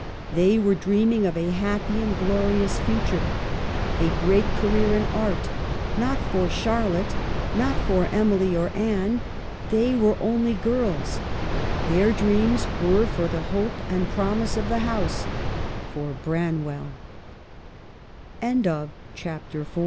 They were dreaming of a happy and glorious future, a great career in Art ; not for Charlotte, not for Emily or Anne, they were only girls ; their dreams were for the hope and prom ise of the house — for Branw